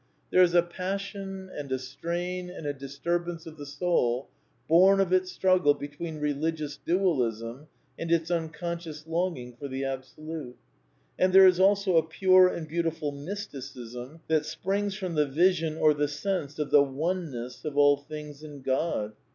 There is a passion and a strain and a disturbance of the soul, bom of its struggle between re ligious dualism and its unconscious longing for the Ab solute. And there is also a pure and beautiful Mysticism that springs from the vision or the sense of the " Oneness '^ of all things in Qod.